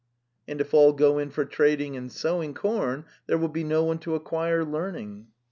'And if all go in for trading and sowing corn there will be no one to acquire learning."